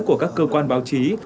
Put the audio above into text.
của các cơ quan báo chí